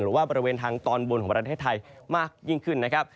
บริเวณทางตอนบนของประเทศไทยมากยิ่งขึ้นนะครับ